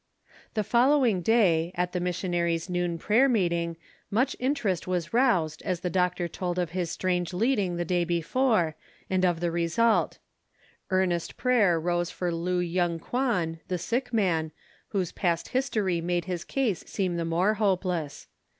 The following day, at the missionaries' noon prayer meeting much interest was roused as the doctor told of his strange leading the day before and of the result. Earnest prayer rose for Lu Yung Kwan, the sick man, whose past history made his case seem the more hopeless.